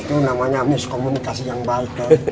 itu namanya miskomunikasi yang baik